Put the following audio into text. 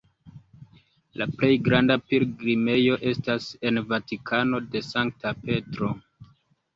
La plej granda pilgrimejo estas en Vatikano de Sankta Petro.